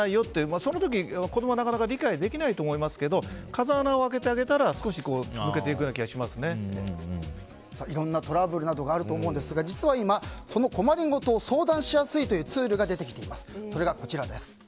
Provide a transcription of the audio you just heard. その時、子供はなかなか理解できないと思いますが風穴を開けてあげたら少し抜けていくようないろんなトラブルがあると思うんですがこの困りごとを相談しやすいというツールが出てきています。